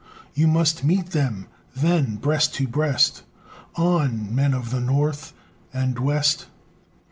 You must meet them, then, breast to breast; On! Men of the North and West!